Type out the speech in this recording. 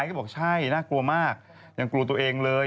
ก็บอกใช่น่ากลัวมากยังกลัวตัวเองเลย